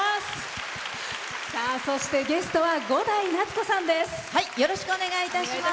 そしてゲストは伍代夏子さんです。